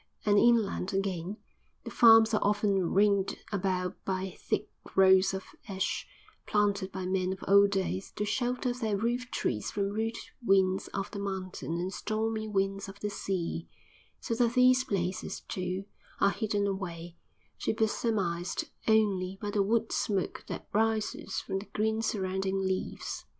And inland, again, the farms are often ringed about by thick groves of ash, planted by men of old days to shelter their roof trees from rude winds of the mountain and stormy winds of the sea; so that these places, too, are hidden away, to be surmised only by the wood smoke that rises from the green surrounding leaves.